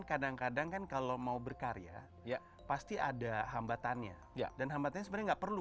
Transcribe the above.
kadang kadang kan kalau mau berkarya ya pasti ada hambatannya dan hambatannya sebenarnya enggak perlu